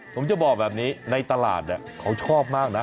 ผมจะบอกแบบนี้ในตลาดเขาชอบมากนะ